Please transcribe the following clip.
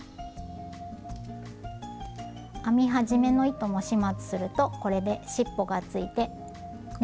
編み始めの糸も始末するとこれでしっぽがついてね